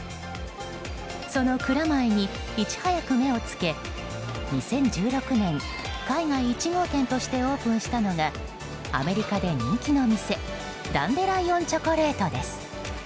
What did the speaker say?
その蔵前にいち早く目をつけ２０１６年、海外１号店としてオープンしたのがアメリカで人気の店ダンデライオン・チョコレート。